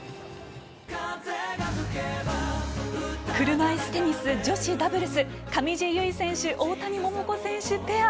車いすテニス女子ダブルス上地結衣選手、大谷桃子選手ペア